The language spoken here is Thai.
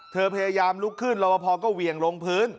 พยายามลุกขึ้นรบพอก็เหวี่ยงลงพื้น